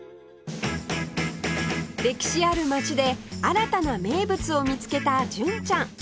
歴史ある街で新たな名物を見つけた純ちゃん